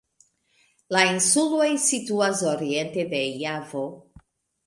La insuloj situas oriente de Javo.